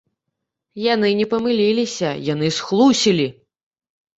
Яны не памыліліся, яны схлусілі!